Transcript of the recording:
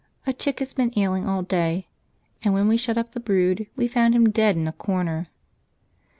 A chick has been ailing all day, and when we shut up the brood we found him dead in a corner.